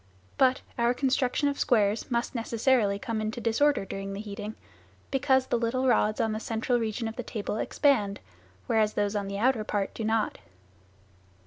But our construction of squares must necessarily come into disorder during the heating, because the little rods on the central region of the table expand, whereas those on the outer part do not.